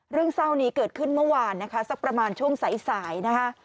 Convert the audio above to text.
เรื่องเศร้านี้เกิดขึ้นเมื่อวานนะคะสักประมาณช่วงสายสายนะคะ